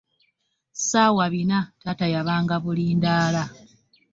Ssaawa bina taata yabanga bulindaala.